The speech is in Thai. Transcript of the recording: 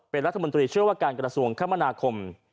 เป็นรัฐมนตรีเชื่อว่าการกระทรวงคมนาคม